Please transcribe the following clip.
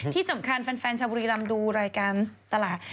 ที่สำคัญแฟนชาวบุรีรำดูรายการตลาด